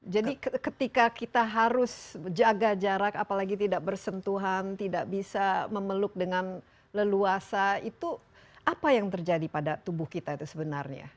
jadi ketika kita harus jaga jarak apalagi tidak bersentuhan tidak bisa memeluk dengan leluasa itu apa yang terjadi pada tubuh kita itu sebenarnya